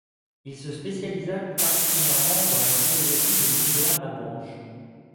Il se spécialisa plus particulièrement dans la philosophie de Nicolas Malebranche.